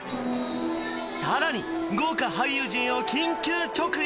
さらに豪華俳優陣を緊急直撃！